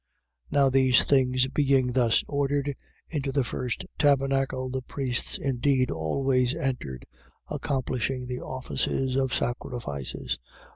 9:6. Now these things being thus ordered, into the first tabernacle, the priests indeed always entered, accomplishing the offices of sacrifices.